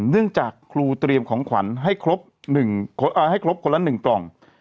เนื่องจากครูเตรียมของขวัญให้ครบคนละหนึ่งกล่อง